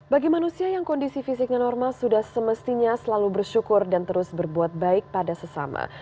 bagi manusia yang kondisi fisiknya normal sudah semestinya selalu bersyukur dan terus berbuat baik pada sesama